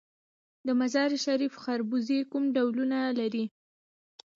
د مزار شریف خربوزې کوم ډولونه لري؟